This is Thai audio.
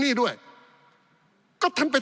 ปี๑เกณฑ์ทหารแสน๒